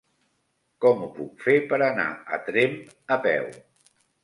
Com ho puc fer per anar a Tremp a peu?